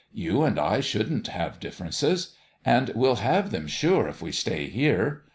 You and I shouldn't have differences. And we'll have them sure if we stay here.